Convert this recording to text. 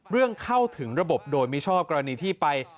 เรื่องเข้าถึงระบบโดยมิชอบกรณีที่ไป